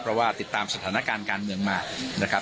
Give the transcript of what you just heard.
เพราะว่าติดตามสถานการณ์การเมืองมานะครับ